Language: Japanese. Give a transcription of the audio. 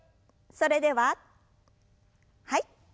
それでははい。